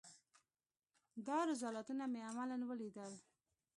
دا رذالتونه مې عملاً وليدل.